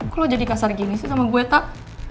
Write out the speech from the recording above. kok lo jadi kasar gini sih sama gue tak